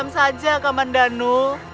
kenapa diam saja kak mandanu